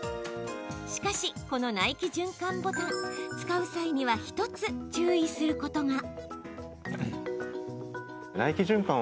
しかし、この内気循環ボタン使う際には１つ注意することが。